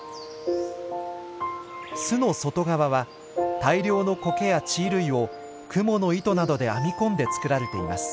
巣の外側は大量のコケや地衣類をクモの糸などで編み込んで作られています。